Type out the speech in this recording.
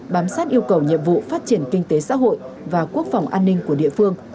bám sát yêu cầu nhiệm vụ phát triển kinh tế xã hội và quốc phòng an ninh của địa phương